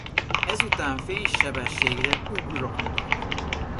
Ezután fénysebességre ugrottak.